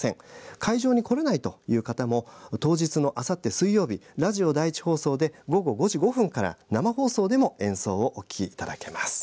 会場に来れないという方も当日のあさって水曜日ラジオ第１放送で午後５時５分から生放送での演奏をお聴きいただけます。